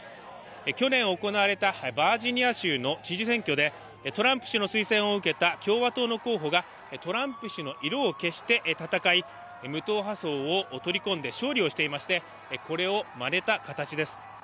去年行われたバージニア州の知事選挙でトランプ氏の推薦を受けた共和党の候補がトランプ氏の色を消して戦い無党派層を取り込んで勝利をしていまして、これをまねた形です。